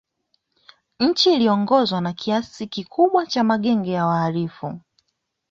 Nchi iliongozwa na kiasi kikubwa na magenge ya wahalifu